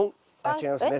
違いますね